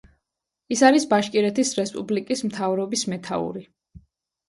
ის არის ბაშკირეთის რესპუბლიკის მთავრობის მეთაური.